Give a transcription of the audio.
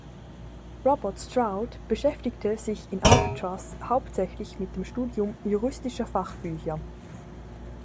Robert Stroud beschäftigte sich in Alcatraz hauptsächlich mit dem Studium juristischer Fachbücher.